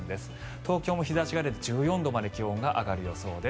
東京も日差しが出て１４度まで気温が上がる予想です。